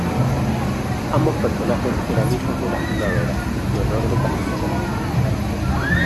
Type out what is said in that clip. Ambos personajes eran hijos de la fundadora, Leonor de Castilla.